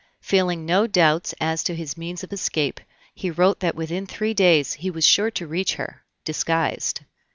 Feeling no doubts as to his means of escape, he wrote that within three days he was sure to reach her, disguised.